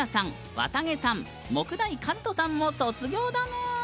わたげさん、杢代和人さんも卒業だぬーん！